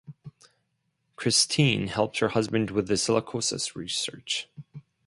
Christine helps her husband with his silicosis research.